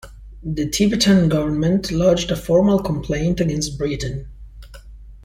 The Tibetan government lodged a formal complaint against Britain.